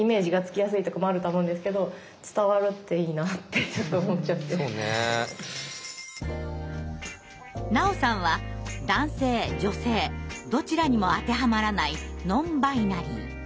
いやすいません菜央さんは男性・女性どちらにもあてはまらないノンバイナリー。